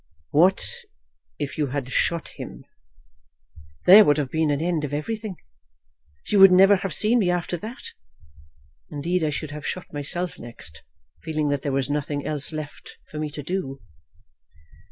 "What if you had shot him?" "There would have been an end of everything. She would never have seen me after that. Indeed I should have shot myself next, feeling that there was nothing else left for me to do."